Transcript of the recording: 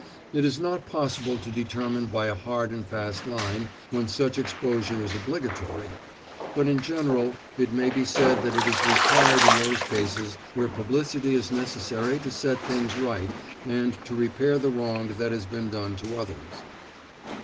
It is not possible to determine by a hard and fast line, when such exposure is obligatory; but in general it may be said that it is required in those cases where publicity is necessary to set things right and to repair the wrong that has been done to others.